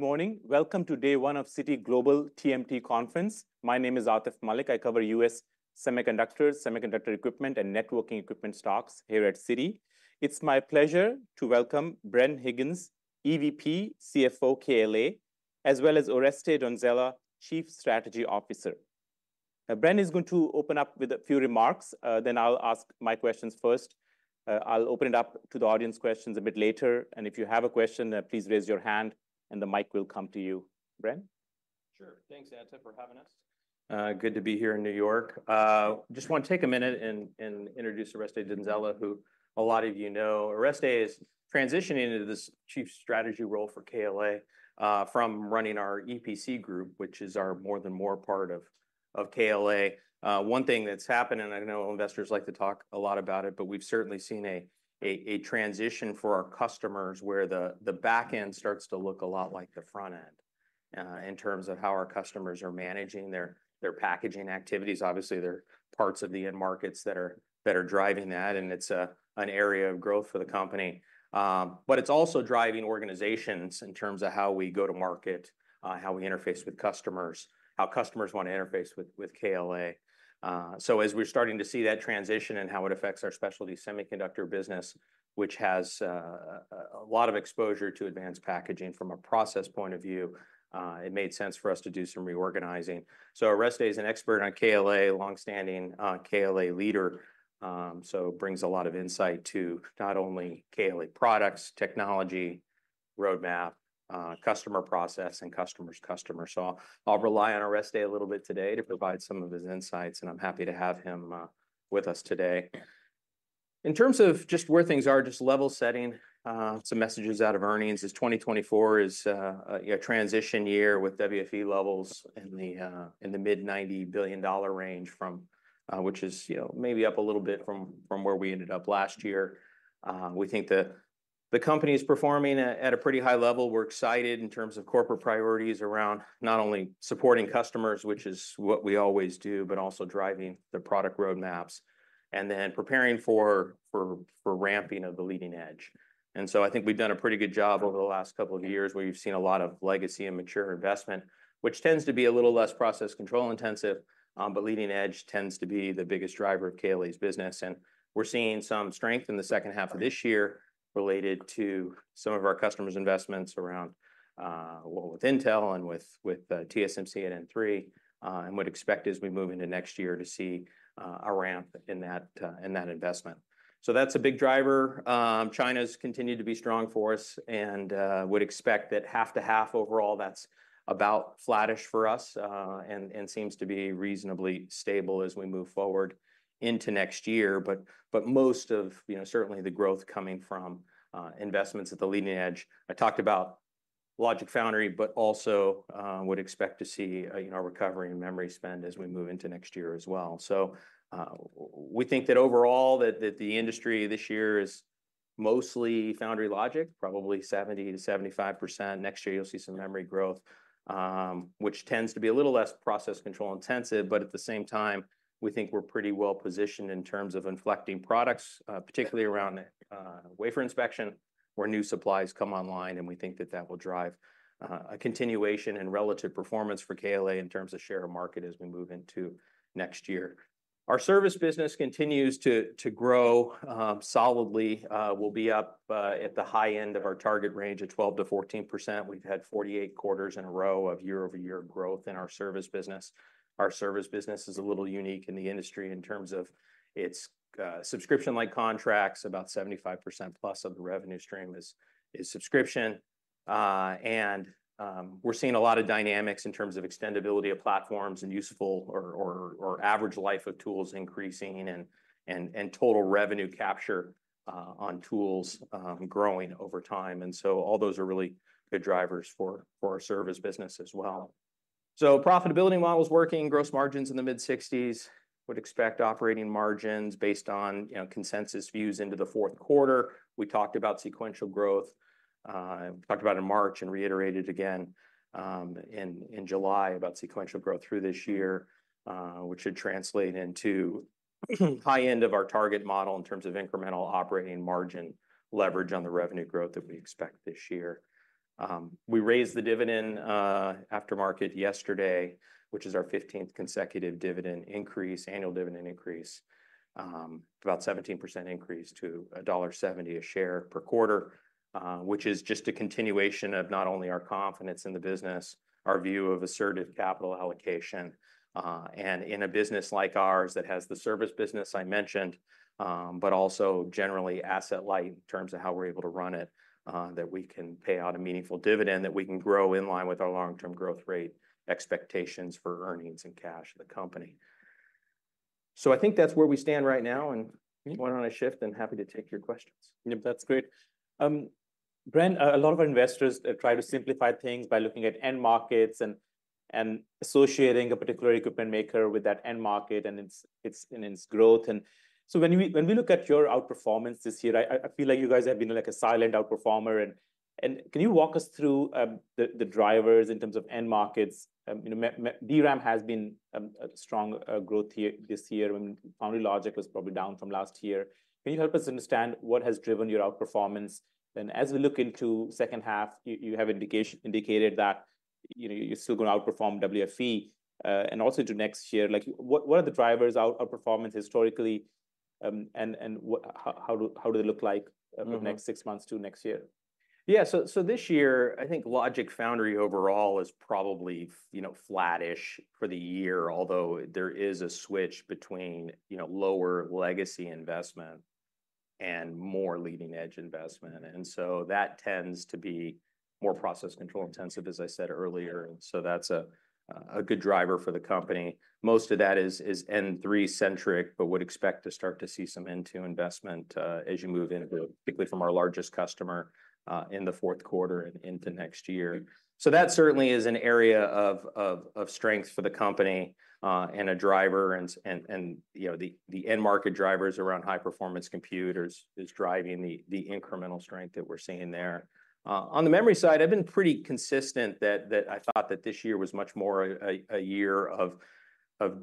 Good morning. Welcome to day one of Citi Global TMT Conference. My name is Atif Malik. I cover U.S. Semiconductors, Semiconductor Equipment, and Networking Equipment Stocks here at Citi. It's my pleasure to welcome Bren Higgins, EVP, CFO KLA, as well as Oreste Donzella, Chief Strategy Officer. Now, Bren is going to open up with a few remarks, then I'll ask my questions first. I'll open it up to the audience questions a bit later, and if you have a question, please raise your hand, and the mic will come to you. Bren? Sure. Thanks, Atif, for having us. Good to be here in New York. Just want to take a minute and introduce Oreste Donzella, who a lot of you know. Oreste is transitioning into this Chief Strategy role for KLA, from running our EPC Group, which is our More Than Moore part of KLA. One thing that's happened, and I know investors like to talk a lot about it, but we've certainly seen a transition for our customers, where the back end starts to look a lot like the front end, in terms of how our customers are managing their packaging activities. Obviously, there are parts of the end markets that are driving that, and it's an area of growth for the company. But it's also driving organizations in terms of how we go to market, how we interface with customers, how customers want to interface with KLA. So as we're starting to see that transition and how it affects our specialty semiconductor business, which has a lot of exposure to advanced packaging from a process point of view, it made sense for us to do some reorganizing. So Oreste is an expert on KLA, a long-standing KLA leader, so brings a lot of insight to not only KLA products, technology, roadmap, customer process, and customers' customer. So I'll rely on Oreste a little bit today to provide some of his insights, and I'm happy to have him with us today. In terms of just where things are, just level setting, some messages out of earnings is 2024 is, you know, a transition year with WFE levels in the mid-$90 billion range, which is, you know, maybe up a little bit from where we ended up last year. We think the company is performing at a pretty high level. We're excited in terms of corporate priorities around not only supporting customers, which is what we always do, but also driving the product roadmaps and then preparing for ramping of the leading-edge. And so I think we've done a pretty good job over the last couple of years, where you've seen a lot of legacy and mature investment, which tends to be a little less Process Control intensive, but leading-edge tends to be the biggest driver of KLA's business. And we're seeing some strength in the second half of this year related to some of our customers' investments around, well, with Intel and with TSMC N3. And would expect as we move into next year to see a ramp in that investment. So that's a big driver. China's continued to be strong for us, and would expect that half to half overall, that's about flattish for us, and seems to be reasonably stable as we move forward into next year. But most of, you know, certainly the growth coming from investments at the leading-edge. I talked about Logic Foundry, but also would expect to see, you know, a recovery in memory spend as we move into next year as well. So we think that overall the industry this year is mostly Foundry Logic, probably 70%-75%. Next year, you'll see some memory growth, which tends to be a little less Process Control intensive, but at the same time, we think we're pretty well-positioned in terms of inflecting products, particularly around the wafer inspection, where new supplies come online, and we think that will drive a continuation in relative performance for KLA in terms of share of market as we move into next year. Our service business continues to grow solidly. We'll be up at the high end of our target range of 12%-14%. We've had 48 quarters in a row of year-over-year growth in our service business. Our service business is a little unique in the industry in terms of its subscription-like contracts. About 75%+ of the revenue stream is subscription. And we're seeing a lot of dynamics in terms of extendibility of platforms and useful or average life of tools increasing and total revenue capture on tools growing over time. And so all those are really good drivers for our service business as well. So profitability model is working, gross margins in the mid-60s. Would expect operating margins based on you know consensus views into the fourth quarter. We talked about sequential growth, we talked about in March and reiterated again, in July, about sequential growth through this year, which should translate into high end of our target model in terms of incremental operating margin leverage on the revenue growth that we expect this year. We raised the dividend after market yesterday, which is our 15th consecutive dividend increase, annual dividend increase, about 17% increase to $1.70 a share per quarter, which is just a continuation of not only our confidence in the business, our view of assertive capital allocation, and in a business like ours that has the service business I mentioned, but also generally asset light in terms of how we're able to run it, that we can pay out a meaningful dividend, that we can grow in line with our long-term growth rate expectations for earnings and cash of the company. So I think that's where we stand right now, and why don't I shift and happy to take your questions. Yep, that's great. Bren, a lot of our investors try to simplify things by looking at end markets and associating a particular equipment maker with that end market and its growth. And so when we look at your outperformance this year, I feel like you guys have been, like, a silent outperformer. And can you walk us through the drivers in terms of end markets? You know, DRAM has been a strong growth here this year, when Foundry Logic was probably down from last year. Can you help us understand what has driven your outperformance? And as we look into second half, you have indicated that, you know, you're still going to outperform WFE, and also into next year. Like, what are the drivers of outperformance historically, and what... How do they look like? Mm-hmm... over the next six months to next year?... Yeah, so this year, I think Logic Foundry overall is probably, you know, flattish for the year, although there is a switch between, you know, lower legacy investment and more leading-edge investment. And so that tends to be more Process Control intensive, as I said earlier, and so that's a good driver for the company. Most of that is N3-centric, but would expect to start to see some N2 investment as you move into particularly from our largest customer in the fourth quarter and into next year. So that certainly is an area of strength for the company and a driver, and you know, the end market drivers around high-performance computers is driving the incremental strength that we're seeing there. On the memory side, I've been pretty consistent that I thought that this year was much more a year of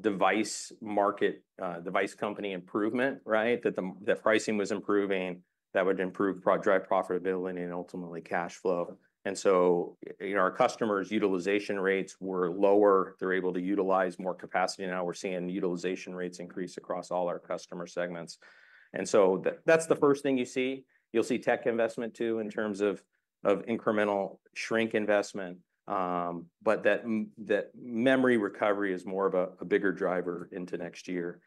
device market device company improvement, right? That the pricing was improving, that would improve profitability and ultimately cash flow. So, you know, our customers' utilization rates were lower. They're able to utilize more capacity, now we're seeing utilization rates increase across all our customer segments. So that's the first thing you see. You'll see tech investment, too, in terms of incremental shrink investment. But that memory recovery is more of a bigger driver into next year.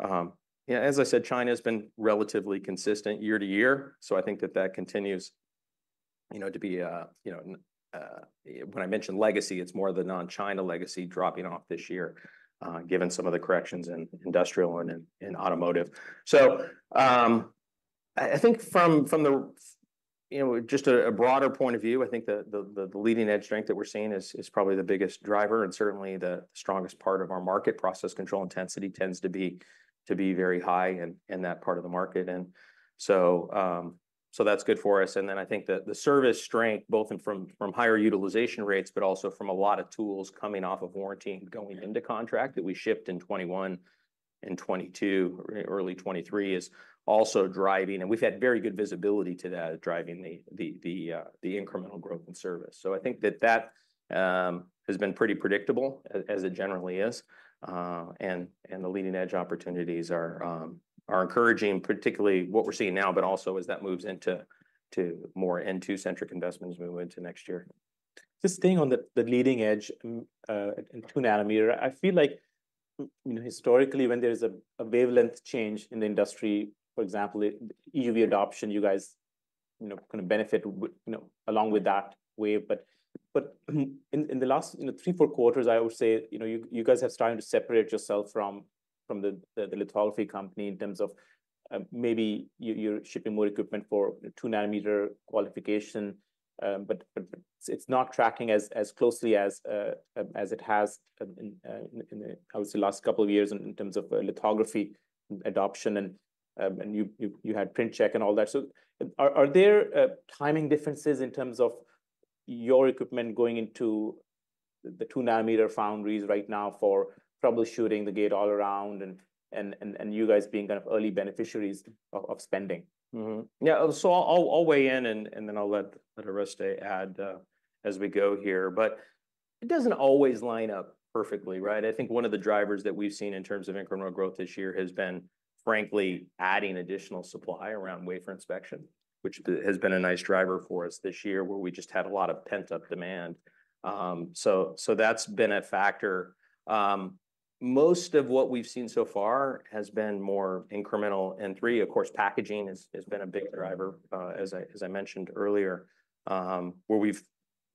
Yeah, as I said, China has been relatively consistent year to year, so I think that continues, you know, to be a, you know... When I mention legacy, it's more the non-China legacy dropping off this year, given some of the corrections in industrial and in automotive. So, I think from the, you know, just a broader point of view, I think the leading-edge strength that we're seeing is probably the biggest driver and certainly the strongest part of our market. Process Control intensity tends to be very high in that part of the market. And so, that's good for us. And then I think the service strength, both from higher utilization rates, but also from a lot of tools coming off of warranty and going into contract that we shipped in 2021 and 2022, early 2023, is also driving. And we've had very good visibility to that, driving the incremental growth in service. So I think that has been pretty predictable, as it generally is. And the leading-edge opportunities are encouraging, particularly what we're seeing now, but also as that moves into more N2-centric investments moving into next year. Just staying on the leading-edge in 2-nanometer, I feel like, you know, historically, when there's a wavelength change in the industry, for example, EUV adoption, you guys, you know, kind of benefit, you know, along with that wave. But in the last, you know, three, four quarters, I would say, you know, you guys are starting to separate yourself from the lithography company in terms of, maybe you, you're shipping more equipment for 2-nanometer qualification, but it's not tracking as closely as it has in the obviously last couple of years in terms of lithography adoption, and you had Print Check and all that. Are there timing differences in terms of your equipment going into the 2-nanometer foundries right now for troubleshooting the Gate-All-Around and you guys being kind of early beneficiaries of spending? Mm-hmm. Yeah, so I'll weigh in and then I'll let Oreste add as we go here. But it doesn't always line up perfectly, right? I think one of the drivers that we've seen in terms of incremental growth this year has been, frankly, adding additional supply around wafer inspection, which has been a nice driver for us this year, where we just had a lot of pent-up demand. So that's been a factor. Most of what we've seen so far has been more incremental. N3, of course, packaging has been a big driver, as I mentioned earlier, where we've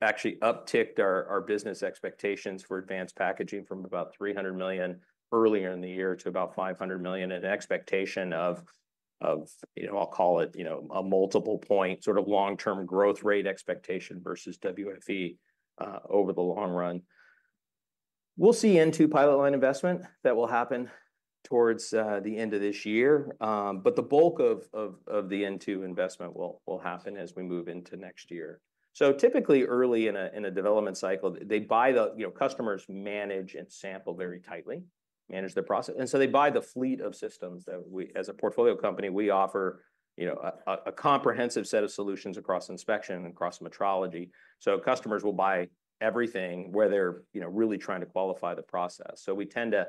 actually upticked our business expectations for advanced packaging from about $300 million earlier in the year to about $500 million, an expectation of, you know, I'll call it, you know, a multiple point, sort of long-term growth rate expectation versus WFE, over the long run. We'll see N2 pilot line investment that will happen towards the end of this year. But the bulk of the N2 investment will happen as we move into next year. So typically, early in a development cycle, they buy the—you know, customers manage and sample very tightly, manage their process, and so they buy the fleet of systems that we, as a portfolio company, we offer, you know, a comprehensive set of solutions across inspection and across metrology. So customers will buy everything where they're, you know, really trying to qualify the process. So we tend to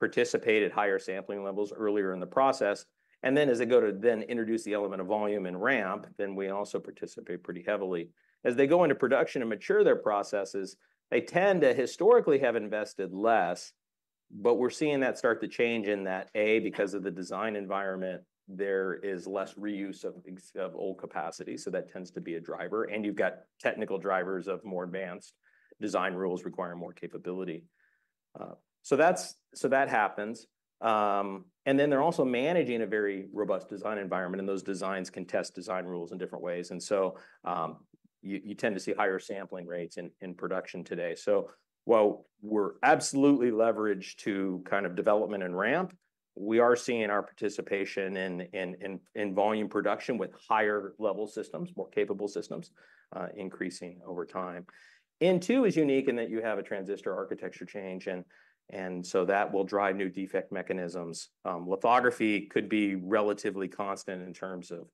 participate at higher sampling levels earlier in the process, and then as they go to then introduce the element of volume and ramp, then we also participate pretty heavily. As they go into production and mature their processes, they tend to historically have invested less, but we're seeing that start to change in that, because of the design environment, there is less reuse of old capacity, so that tends to be a driver. And you've got technical drivers of more advanced design rules requiring more capability. So that happens. And then they're also managing a very robust design environment, and those designs can test design rules in different ways. And so, you tend to see higher sampling rates in production today. So while we're absolutely leveraged to kind of development and ramp, we are seeing our participation in volume production with higher level systems, more capable systems, increasing over time. N2 is unique in that you have a transistor architecture change, and so that will drive new defect mechanisms. Lithography could be relatively constant in terms of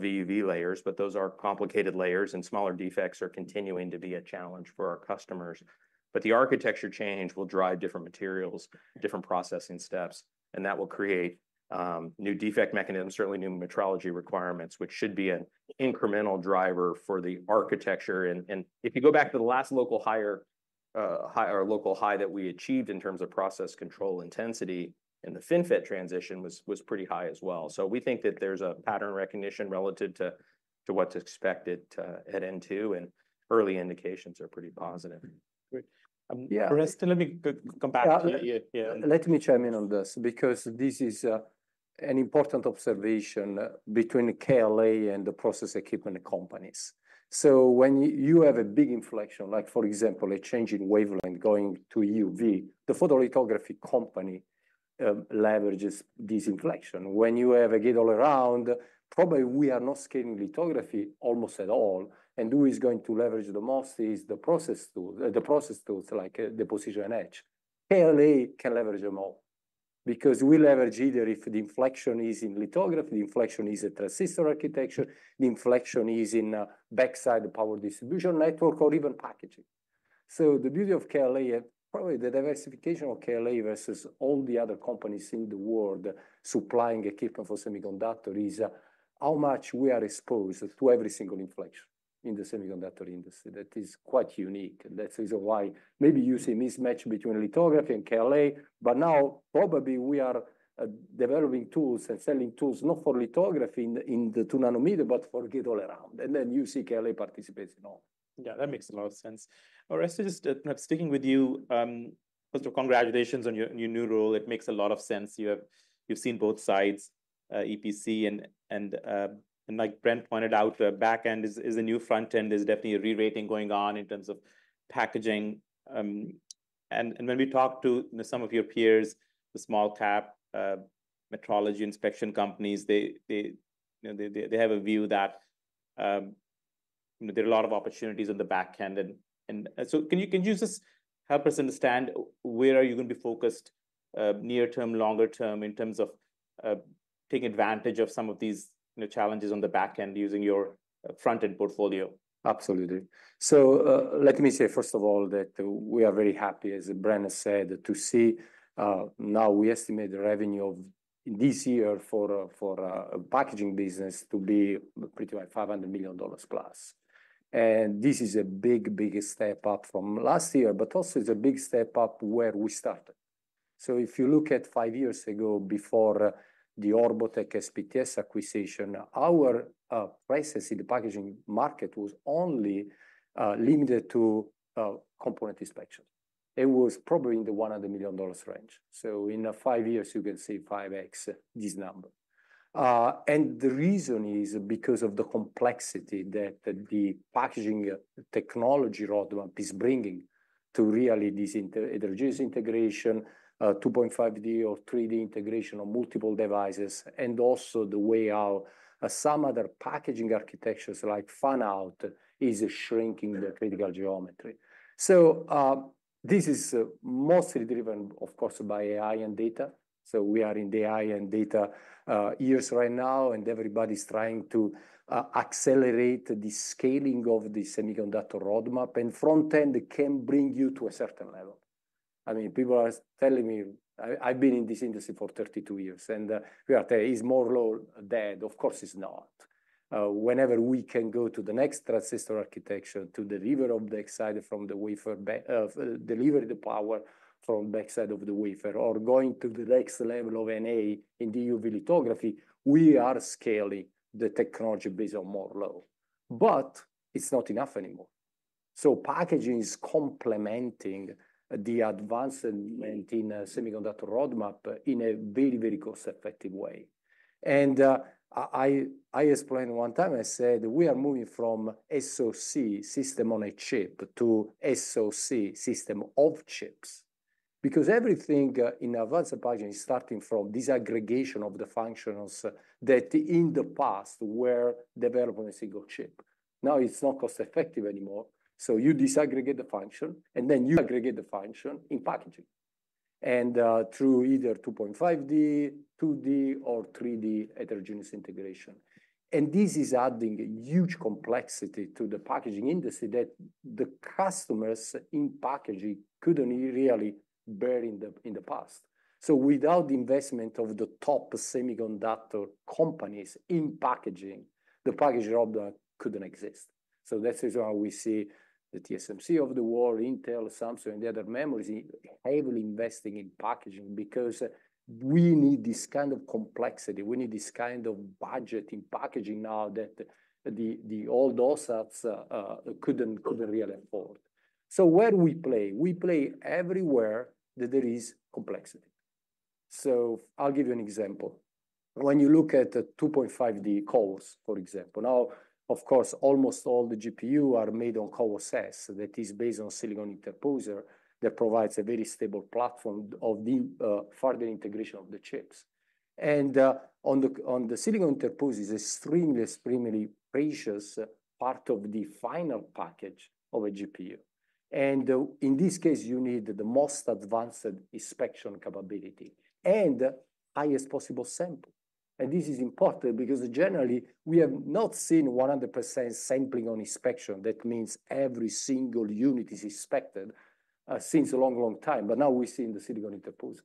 EUV layers, but those are complicated layers, and smaller defects are continuing to be a challenge for our customers. But the architecture change will drive different materials, different processing steps, and that will create new defect mechanisms, certainly new metrology requirements, which should be an incremental driver for the architecture. And if you go back to the last local high that we achieved in terms of Process Control intensity, and the FinFET transition was pretty high as well. So we think that there's a pattern recognition relative to what's expected at N2, and early indications are pretty positive. Great. Um- Yeah. Oreste, let me come back to you. Yeah. Let me chime in on this, because this is an important observation between KLA and the process equipment companies. So when you have a big inflection, like for example, a change in wavelength going to EUV, the photolithography company leverages this inflection. When you have a Gate-All-Around, probably we are not scaling lithography almost at all, and who is going to leverage the most is the process tool, the process tools like deposition and etch. KLA can leverage them all. Because we leverage either if the inflection is in lithography, the inflection is a transistor architecture, the inflection is in backside power distribution network or even packaging. So the beauty of KLA, probably the diversification of KLA versus all the other companies in the world supplying equipment for semiconductor, is how much we are exposed to every single inflection in the semiconductor industry. That is quite unique, and that is why maybe you see a mismatch between lithography and KLA, but now probably we are developing tools and selling tools not for lithography in the 2-nanometer, but for Gate-All-Around, and then you see KLA participates in all. Yeah, that makes a lot of sense. Oreste, just sticking with you, first of all, congratulations on your new role. It makes a lot of sense. You've seen both sides, EPC and like Bren pointed out, back end is a new front end. There's definitely a re-rating going on in terms of packaging. And when we talk to some of your peers, the small cap metrology inspection companies, they, you know, they have a view that there are a lot of opportunities on the back end. And so can you just help us understand where are you going to be focused, near term, longer term, in terms of taking advantage of some of these, you know, challenges on the back end using your front-end portfolio? Absolutely. So, let me say, first of all, that we are very happy, as Bren has said, to see now we estimate the revenue of this year for packaging business to be pretty like $500 million plus. And this is a big, big step up from last year, but also is a big step up where we started. So if you look at five years ago, before the Orbotech SPTS acquisition, our presence in the packaging market was only limited to component inspection. It was probably in the $100 million range. So in five years, you can say 5x this number. And the reason is because of the complexity that the packaging technology roadmap is bringing to really this heterogeneous integration, 2.5D or 3D integration on multiple devices, and also the way how some other packaging architectures, like fan-out, is shrinking the critical geometry. So, this is mostly driven, of course, by AI and data. So we are in the AI and data years right now, and everybody's trying to accelerate the scaling of the semiconductor roadmap, and front end can bring you to a certain level. I mean, people are telling me, I've been in this industry for 32 years, and we are telling, is Moore's Law dead? Of course, it's not. Whenever we can go to the next transistor architecture to deliver the power from the backside of the wafer, or going to the next level of NA in the EUV lithography, we are scaling the technology based on Moore's Law, but it's not enough anymore, so packaging is complementing the advancement in semiconductor roadmap in a very, very cost-effective way. I explained one time, I said, "We are moving from SoC System-on-a-Chip to SoC System of Chips." Because everything in advanced packaging is starting from disaggregation of the functions that in the past were developed on a single chip. Now, it's not cost-effective anymore, so you disaggregate the function, and then you aggregate the function in packaging, through either 2.5D, 2D, or 3D heterogeneous integration. This is adding a huge complexity to the packaging industry that the customers in packaging couldn't really bear in the past. Without the investment of the top semiconductor companies in packaging, the packaging roadmap couldn't exist. This is how we see the TSMC of the world, Intel, Samsung, and the other memories heavily investing in packaging, because we need this kind of complexity. We need this kind of budget in packaging now that the old OSATs couldn't really afford. Where do we play? We play everywhere that there is complexity. I'll give you an example. When you look at the 2.5D CoWoS, for example, now, of course, almost all the GPU are made on CoWoS, that is based on silicon interposer, that provides a very stable platform for the further integration of the chips. On the silicon interposer is an extremely, extremely precious part of the final package of a GPU. In this case, you need the most advanced inspection capability and highest possible sampling. This is important because generally, we have not seen 100% sampling on inspection. That means every single unit is inspected since a long, long time, but now we see in the silicon interposer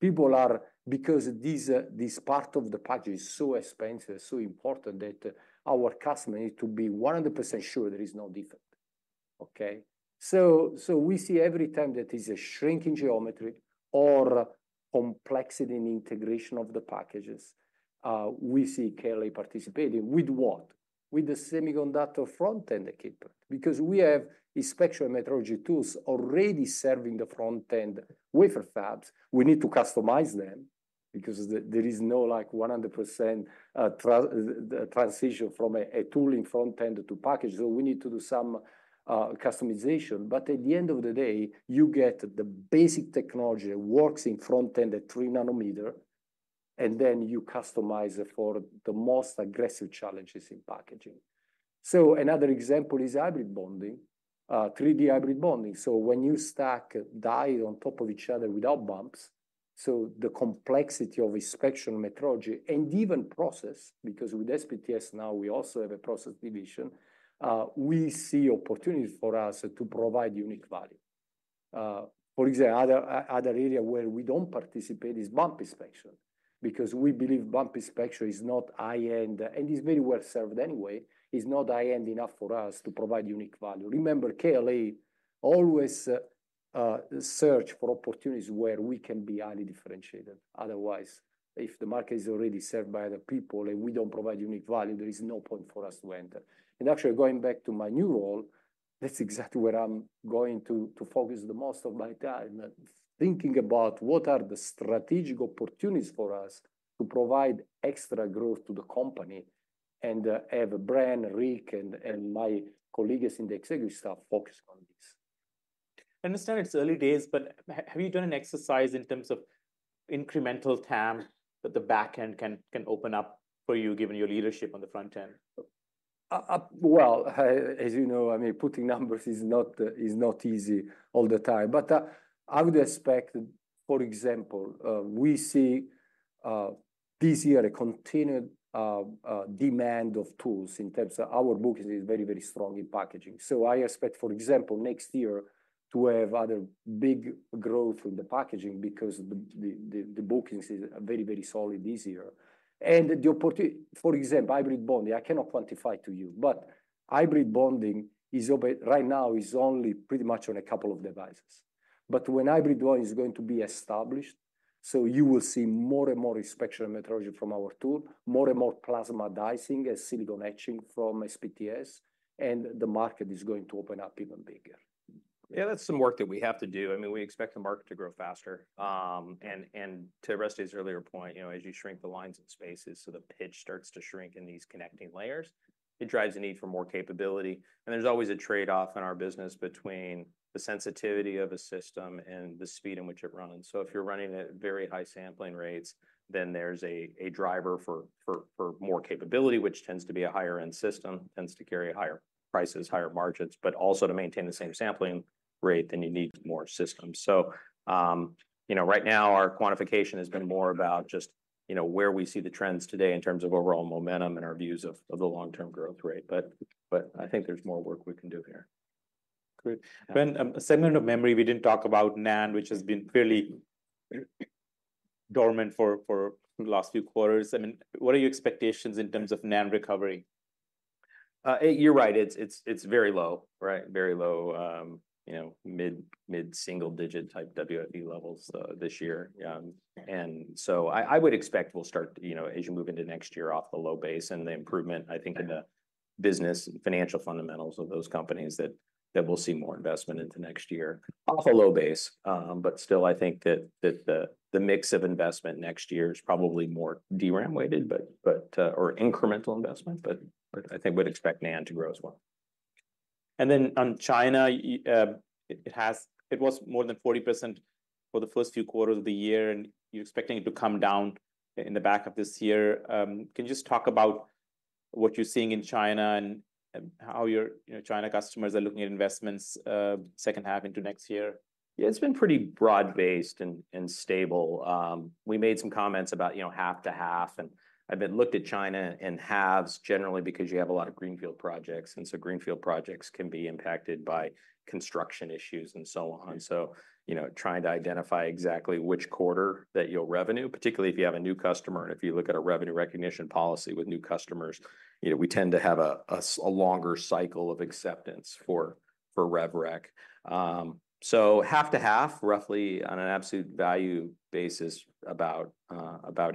people are, because this part of the package is so expensive, so important that our customer need to be 100% sure there is no defect. Okay? We see every time there is a shrink in geometry or complexity in integration of the packages, we see KLA participating. With what? With the semiconductor front-end equipment, because we have inspection metrology tools already serving the front-end wafer fabs. We need to customize them because there is no, like, 100% transition from a tool in front-end to package, so we need to do some customization. But at the end of the day, you get the basic technology that works in front-end at three nanometer, and then you customize it for the most aggressive challenges in packaging. So another example is hybrid bonding, 3D hybrid bonding. So when you stack die on top of each other without bumps, so the complexity of inspection metrology and even process, because with SPTS now we also have a process division, we see opportunities for us to provide unique value. For example, other area where we don't participate is bump inspection, because we believe bump inspection is not high-end and is very well served anyway, is not high-end enough for us to provide unique value. Remember, KLA always search for opportunities where we can be highly differentiated. Otherwise, if the market is already served by other people and we don't provide unique value, there is no point for us to enter. And actually, going back to my new role, that's exactly where I'm going to focus the most of my time, thinking about what are the strategic opportunities for us to provide extra growth to the company and have Bren, Rick, and my colleagues in the executive staff focus on this. I understand it's early days, but have you done an exercise in terms of incremental TAM that the back end can open up for you, given your leadership on the front end? As you know, I mean, putting numbers is not easy all the time. But I would expect, for example, we see this year a continued demand of tools in terms of our bookings is very, very strong in packaging. So I expect, for example, next year to have other big growth in the packaging because the bookings is, are very, very solid this year. For example, hybrid bonding, I cannot quantify to you, but hybrid bonding is right now only pretty much on a couple of devices. But when hybrid bonding is going to be established, so you will see more and more inspection metrology from our tool, more and more plasma dicing and silicon etching from SPTS, and the market is going to open up even bigger. Yeah, that's some work that we have to do. I mean, we expect the market to grow faster. And to Oreste's earlier point, you know, as you shrink the lines and spaces, so the pitch starts to shrink in these connecting layers, it drives the need for more capability. And there's always a trade-off in our business between the sensitivity of a system and the speed in which it runs. So if you're running it at very high sampling rates, then there's a driver for more capability, which tends to be a higher-end system, tends to carry higher prices, higher margins. But also to maintain the same sampling rate, then you need more systems. So, you know, right now, our quantification has been more about just, you know, where we see the trends today in terms of overall momentum and our views of the long-term growth rate. But I think there's more work we can do here. Great. When a segment of memory, we didn't talk about NAND, which has been fairly dormant for the last few quarters. I mean, what are your expectations in terms of NAND recovery? You're right. It's very low, right? Very low, you know, mid-single digit type WFE levels this year, and so I would expect we'll start, you know, as you move into next year off the low base and the improvement, I think, in the business and financial fundamentals of those companies that we'll see more investment into next year. Off a low base, but still, I think that the mix of investment next year is probably more DRAM-weighted, or incremental investment, but I think we'd expect NAND to grow as well. And then on China, it was more than 40% for the first few quarters of the year, and you're expecting it to come down in the back of this year. Can you just talk about what you're seeing in China and how your, you know, China customers are looking at investments, second half into next year? Yeah, it's been pretty broad-based and stable. We made some comments about, you know, half to half, and I've been looking at China in halves generally because you have a lot of greenfield projects, and so greenfield projects can be impacted by construction issues and so on. So, you know, trying to identify exactly which quarter that you'll revenue, particularly if you have a new customer and if you look at a revenue recognition policy with new customers, you know, we tend to have a longer cycle of acceptance for rev rec. So half to half, roughly on an absolute value basis, about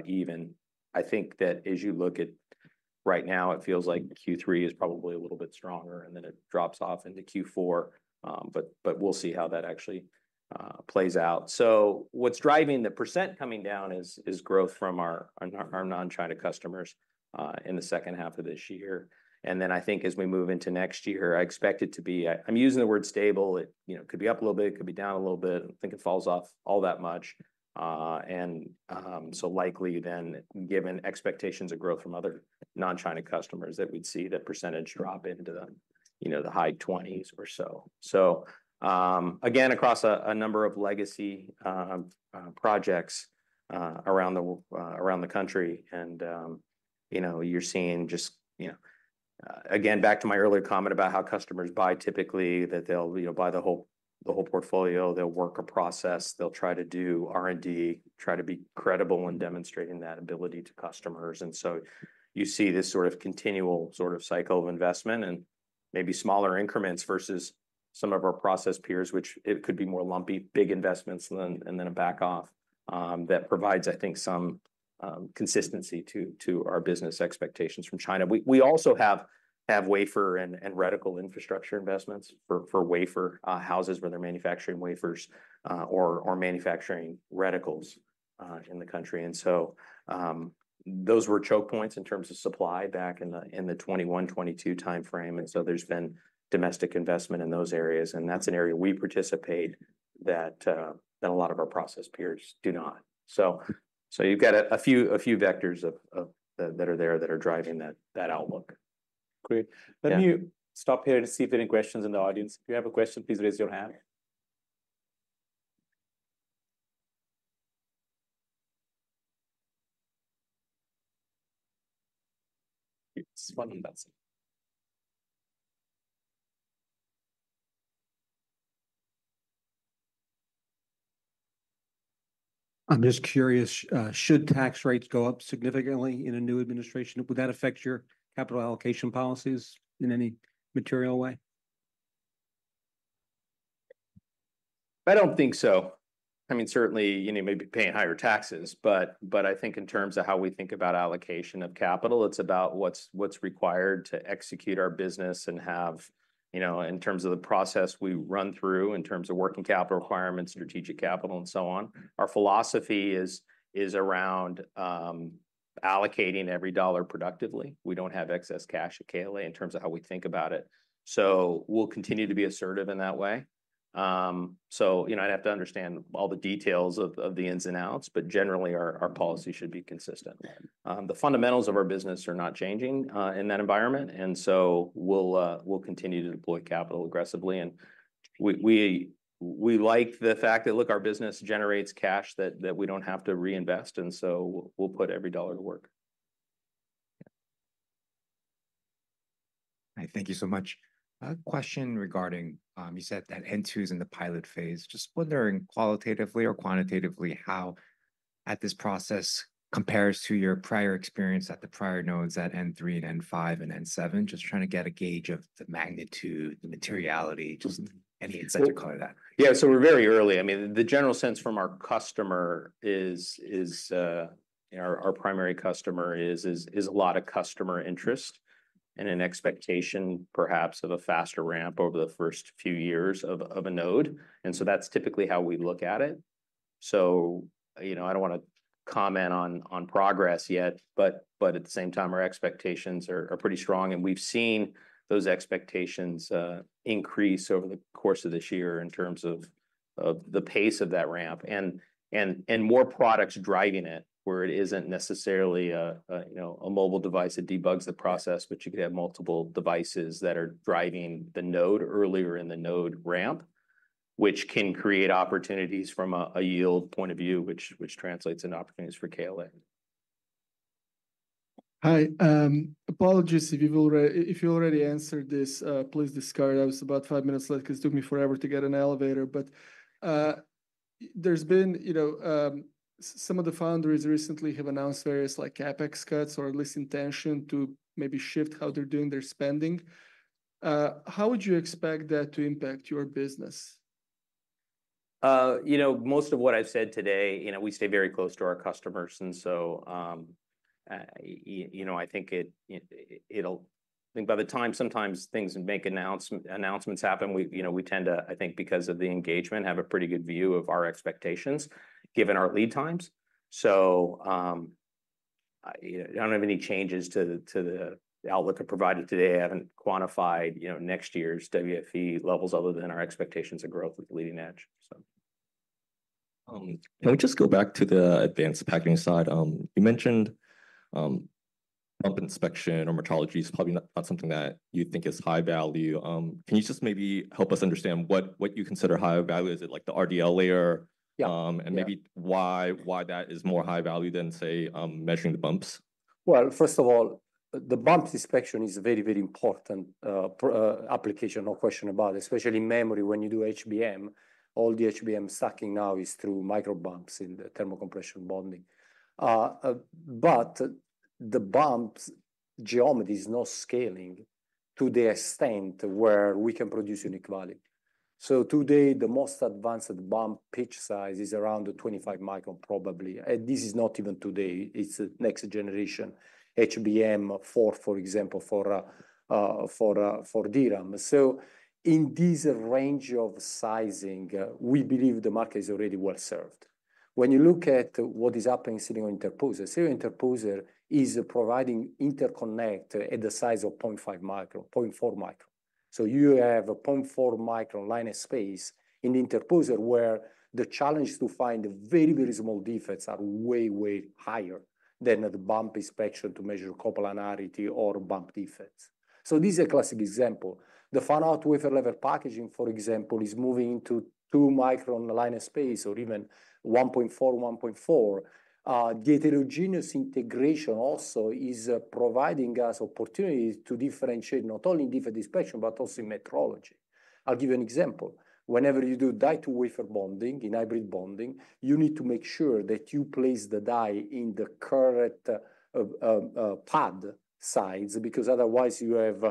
even. I think that as you look at right now, it feels like Q3 is probably a little bit stronger, and then it drops off into Q4. But we'll see how that actually plays out. So what's driving the percent coming down is growth from our non-China customers in the second half of this year. And then I think as we move into next year, I expect it to be. I'm using the word stable. It you know could be up a little bit, it could be down a little bit. I don't think it falls off all that much. So likely then, given expectations of growth from other non-China customers, that we'd see the percentage drop into the you know high twenties or so. Again, across a number of legacy projects around the country, and you know you're seeing just you know. Again, back to my earlier comment about how customers buy typically, that they'll you know buy the whole portfolio. They'll work a process, they'll try to do R&D, try to be credible in demonstrating that ability to customers. And so you see this sort of continual sort of cycle of investment and maybe smaller increments versus some of our process peers, which it could be more lumpy, big investments, and then a back off. That provides, I think, some consistency to our business expectations from China. We also have wafer and reticle infrastructure investments for wafer houses where they're manufacturing wafers or manufacturing reticles in the country. And so those were choke points in terms of supply back in the 2021, 2022, and so there's been domestic investment in those areas, and that's an area we participate that a lot of our process peers do not. So you've got a few vectors that are there that are driving that outlook. Great. Yeah. Let me stop here to see if there are any questions in the audience. If you have a question, please raise your hand. It's one in that seat. I'm just curious, should tax rates go up significantly in a new administration, would that affect your capital allocation policies in any material way? I don't think so. I mean, certainly, you know, you may be paying higher taxes, but I think in terms of how we think about allocation of capital, it's about what's required to execute our business and have, you know, in terms of the process we run through, in terms of working capital requirements, strategic capital, and so on. Our philosophy is around allocating every dollar productively. We don't have excess cash at KLA in terms of how we think about it. So we'll continue to be assertive in that way. So, you know, I'd have to understand all the details of the ins and outs, but generally, our policy should be consistent. The fundamentals of our business are not changing in that environment, and so we'll continue to deploy capital aggressively. We like the fact that, look, our business generates cash that we don't have to reinvest, and so we'll put every dollar to work. Hi, thank you so much. A question regarding, you said that N2 is in the pilot phase. Just wondering qualitatively or quantitatively, how that this process compares to your prior experience at the prior nodes at N3 and N5 and N7? Just trying to get a gauge of the magnitude, the materiality, just any insight to call it out. Yeah, so we're very early. I mean, the general sense from our customer is, you know, our primary customer is a lot of customer interest and an expectation, perhaps, of a faster ramp over the first few years of a node. And so that's typically how we look at it. So, you know, I don't want to comment on progress yet, but at the same time, our expectations are pretty strong, and we've seen those expectations increase over the course of this year in terms of the pace of that ramp and more products driving it, where it isn't necessarily a you know, a mobile device that debugs the process, but you could have multiple devices that are driving the node earlier in the node ramp, which can create opportunities from a yield point of view, which translates into opportunities for KLA. Hi, apologies if you already answered this, please discard. I was about five minutes late because it took me forever to get an elevator. But, there's been, you know, some of the foundries recently have announced various, like, CapEx cuts or at least intention to maybe shift how they're doing their spending. How would you expect that to impact your business? You know, most of what I've said today, you know, we stay very close to our customers, and so, you know, I think it'll—I think by the time sometimes things make announcement, announcements happen, we, you know, we tend to, I think, because of the engagement, have a pretty good view of our expectations, given our lead times. So, I don't have any changes to the outlook I provided today. I haven't quantified, you know, next year's WFE levels other than our expectations of growth with the leading-edge, so... Let me just go back to the advanced packaging side. You mentioned bump inspection or metrology is probably not something that you think is high value. Can you just maybe help us understand what you consider higher value? Is it like the RDL layer? Yeah. And maybe why that is more high value than, say, measuring the bumps? First of all, the bump inspection is a very, very important application, no question about it, especially in memory. When you do HBM, all the HBM stacking now is through micro bumps in the thermal compression bonding. But the bump's geometry is not scaling to the extent where we can produce unique value. So today, the most advanced bump pitch size is around the 25 micron, probably. And this is not even today, it's the next generation, HBM4, for example, for DRAM. So in this range of sizing, we believe the market is already well-served. When you look at what is happening in silicon interposer, silicon interposer is providing interconnect at the size of 0.5 micron, 0.4 micron. So you have a 0.4-micron line of space in interposer, where the challenge to find very, very small defects are way, way higher than the bump inspection to measure coplanarity or bump defects. So this is a classic example. The fan-out wafer level packaging, for example, is moving into 2-micron line of space or even 1.4, 1.4. The heterogeneous integration also is providing us opportunities to differentiate not only in defect inspection, but also in metrology. I'll give you an example. Whenever you do die-to-wafer bonding, in hybrid bonding, you need to make sure that you place the die in the correct pad size, because otherwise you have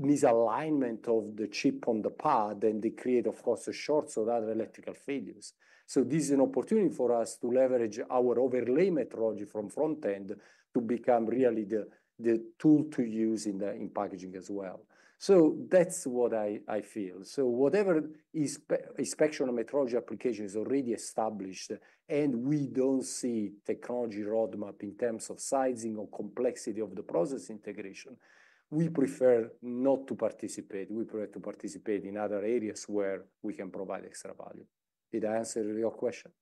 misalignment of the chip on the pad, and they create, of course, a short or other electrical failures. This is an opportunity for us to leverage our overlay metrology from front end to become really the tool to use in packaging as well. That's what I feel. Whatever is inspection or metrology application is already established, and we don't see technology roadmap in terms of sizing or complexity of the process integration, we prefer not to participate. We prefer to participate in other areas where we can provide extra value. Did I answer your question?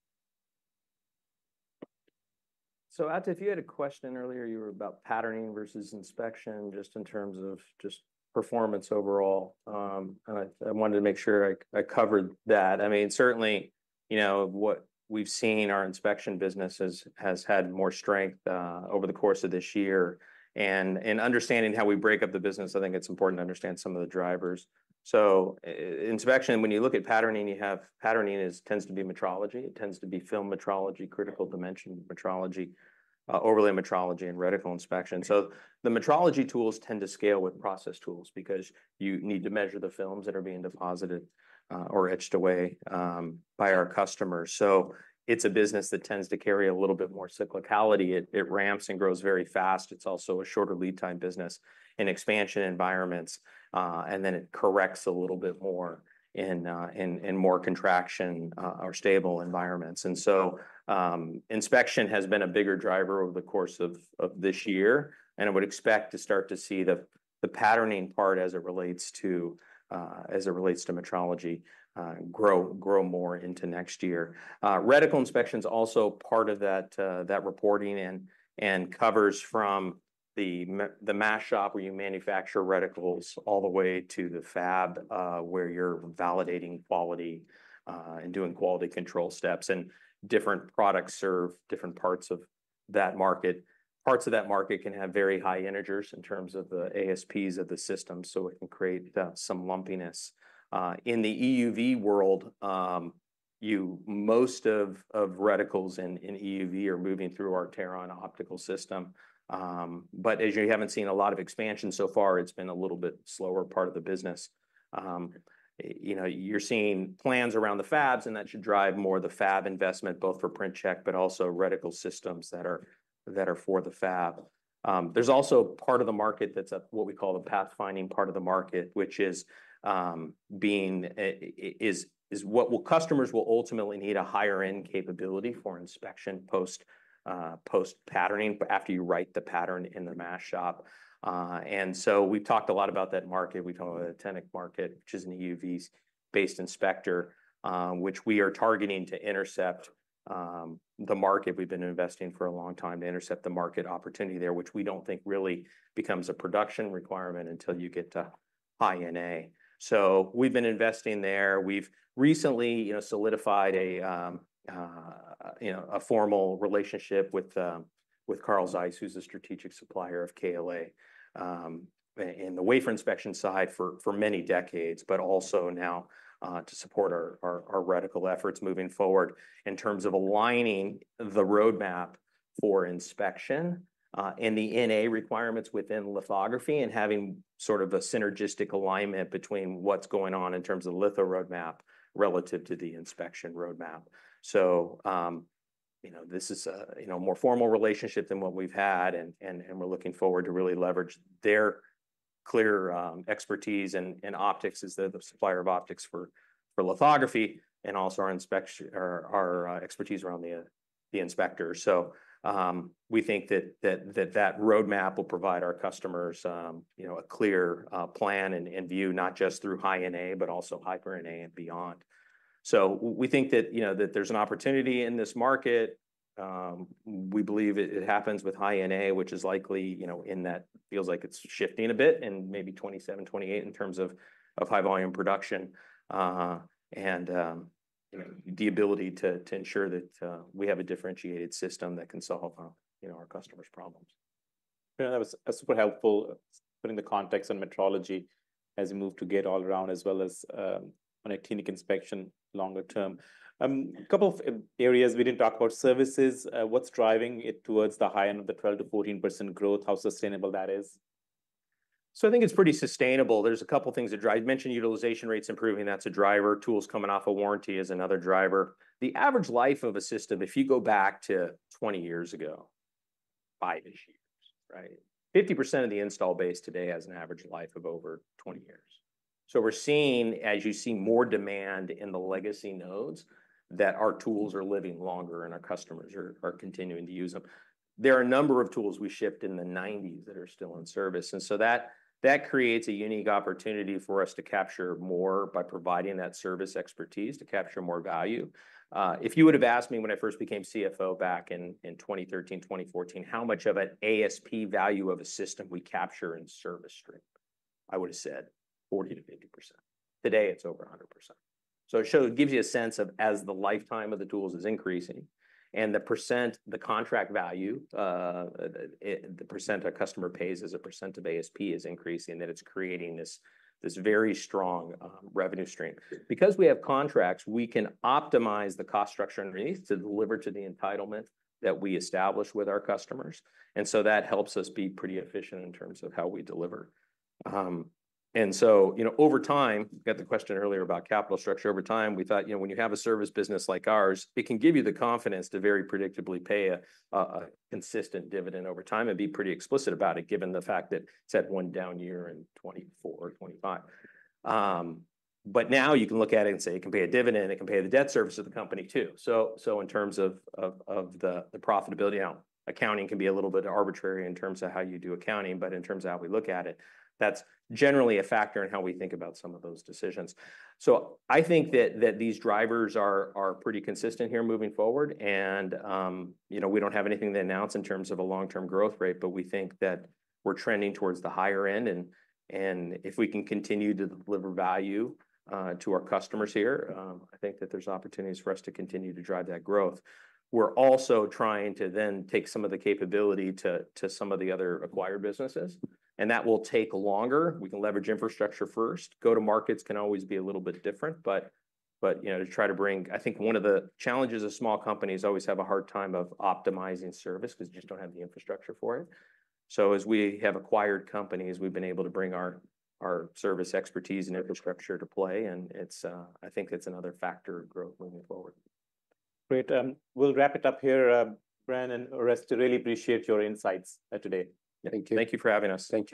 Atif, if you had a question earlier, you were about patterning versus inspection, just in terms of just performance overall. And I wanted to make sure I covered that. I mean, certainly, you know, what we've seen, our inspection business has had more strength over the course of this year. And understanding how we break up the business, I think it's important to understand some of the drivers. Inspection, when you look at patterning, you have patterning tends to be metrology. It tends to be film metrology, critical dimension metrology, overlay metrology, and reticle inspection. So the metrology tools tend to scale with process tools because you need to measure the films that are being deposited or etched away by our customers. So it's a business that tends to carry a little bit more cyclicality. It ramps and grows very fast. It's also a shorter lead time business in expansion environments, and then it corrects a little bit more in more contraction or stable environments, and so inspection has been a bigger driver over the course of this year, and I would expect to start to see the patterning part as it relates to metrology grow more into next year. Reticle inspection is also part of that reporting and covers from the mask shop, where you manufacture reticles all the way to the fab, where you're validating quality and doing quality control steps, and different products serve different parts of that market. Parts of that market can have very high integers in terms of the ASPs of the system, so it can create some lumpiness. In the EUV world, you most of reticles in EUV are moving through our Teron optical system, but as you haven't seen a lot of expansion so far, it's been a little bit slower part of the business. You know, you're seeing plans around the fabs, and that should drive more of the fab investment, both for Print Check but also reticle systems that are for the fab. There's also part of the market that's what we call the pathfinding part of the market, which is what, well, customers will ultimately need a higher-end capability for inspection post-patterning, but after you write the pattern in the mask shop. And so we've talked a lot about that market. We call it the reticle market, which is an EUV-based inspector, which we are targeting to intercept the market. We've been investing for a long time to intercept the market opportunity there, which we don't think really becomes a production requirement until you get to High-NA. So we've been investing there. We've recently you know solidified a you know a formal relationship with Carl Zeiss, who's a strategic supplier of KLA in the wafer inspection side for many decades, but also now to support our reticle efforts moving forward. In terms of aligning the roadmap for inspection and the NA requirements within lithography and having sort of a synergistic alignment between what's going on in terms of litho roadmap relative to the inspection roadmap. So, you know, this is a more formal relationship than what we've had, and we're looking forward to really leverage their clear expertise in optics as the supplier of optics for lithography, and also our inspection, or our expertise around the inspection. We think that that roadmap will provide our customers, you know, a clear plan and view, not just through High-NA, but also Hyper-NA and beyond. We think that, you know, that there's an opportunity in this market. We believe it happens with High-NA, which is likely, you know, in and that feels like it's shifting a bit in maybe 2027-2028 in terms of high-volume production. You know, the ability to ensure that we have a differentiated system that can solve, you know, our customers' problems. Yeah, that was super helpful, putting the context on metrology as we move to Gate-All-Around, as well as on a Teron inspection longer term. A couple of areas we didn't talk about services. What's driving it towards the high end of the 12%-14% growth, how sustainable that is? I think it's pretty sustainable. There's a couple things that drive. I mentioned utilization rates improving, that's a driver. Tools coming off a warranty is another driver. The average life of a system, if you go back to 20 years ago, five-ish years, right? 50% of the install base today has an average life of over 20. We're seeing, as you see more demand in the legacy nodes, that our tools are living longer and our customers are continuing to use them. There are a number of tools we shipped in the nineties that are still in service, and so that creates a unique opportunity for us to capture more by providing that service expertise, to capture more value. If you would've asked me when I first became CFO back in 2013, 2014, how much of an ASP value of a system we capture in service stream, I would've said 40%-50%. Today, it's over 100%. So it shows. It gives you a sense of as the lifetime of the tools is increasing and the percent a customer pays as a percent of ASP is increasing, that it's creating this very strong revenue stream. Because we have contracts, we can optimize the cost structure underneath to deliver to the entitlement that we establish with our customers, and so that helps us be pretty efficient in terms of how we deliver. And so, you know, over time, got the question earlier about capital structure. Over time, we thought, you know, when you have a service business like ours, it can give you the confidence to very predictably pay a consistent dividend over time and be pretty explicit about it, given the fact that it's had one down year in 2024 or 2025. But now you can look at it and say, it can pay a dividend, it can pay the debt service of the company, too. So in terms of the profitability, now accounting can be a little bit arbitrary in terms of how you do accounting, but in terms of how we look at it, that's generally a factor in how we think about some of those decisions. So I think that these drivers are pretty consistent here moving forward, and, you know, we don't have anything to announce in terms of a long-term growth rate, but we think that we're trending towards the higher end. And if we can continue to deliver value to our customers here, I think that there's opportunities for us to continue to drive that growth. We're also trying to then take some of the capability to some of the other acquired businesses, and that will take longer. We can leverage infrastructure first. Go-to-markets can always be a little bit different, but, you know, to try to bring. I think one of the challenges of small companies always have a hard time of optimizing service, 'cause you just don't have the infrastructure for it. So as we have acquired companies, we've been able to bring our service expertise and infrastructure to play, and it's, I think it's another factor of growth moving forward. Great. We'll wrap it up here, Bren and Oreste. Really appreciate your insights today. Thank you. Thank you for having us. Thank you.